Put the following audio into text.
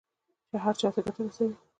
چې هر چا ته ګټه رسوي.